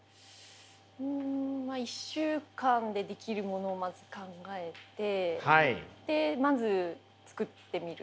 うん１週間でできるものをまず考えてでまず作ってみる。